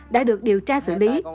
đã được điều tra xử lý